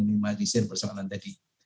untuk meminimalisasi persoalan tadi